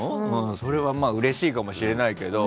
それはうれしいかもしれないけど。